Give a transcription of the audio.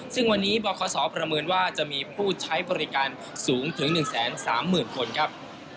ซึ่งวันนี้บคศประเมินว่าจะมีผู้ใช้บริการสูงถึง๑๓๐๐๐คนครับ